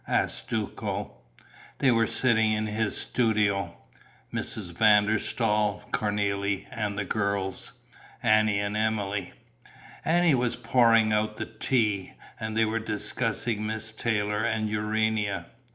asked Duco. They were sitting in his studio: Mrs. van der Staal, Cornélie and the girls, Annie and Emilie. Annie was pouring out the tea; and they were discussing Miss Taylor and Urania.